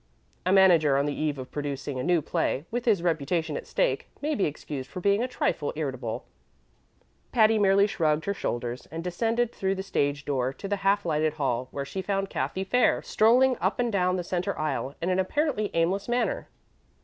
A manager on the eve of producing a new play, with his reputation at stake, may be excused for being a trifle irritable. Patty merely shrugged her shoulders and descended through the stage door to the half lighted hall, where she found Cathy Fair strolling up and down the center aisle in an apparently aimless manner.